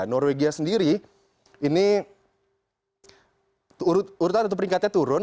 norwegia sendiri ini urutan atau peringkatnya turun